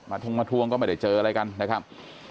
ทงมาทวงก็ไม่ได้เจออะไรกันนะครับ